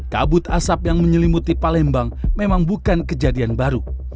kabut asap yang menyelimuti palembang memang bukan kejadian baru